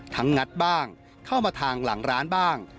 งัดบ้างเข้ามาทางหลังร้านบ้าง